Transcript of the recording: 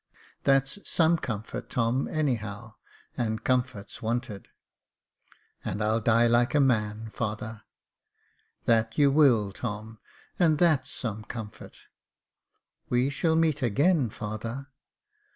That's some comfort, Tom, anyhow, and comfort's wanted." " And I'll die like a man, father." " That you will, Tom, and that's some comfort." " We shall meet again, father."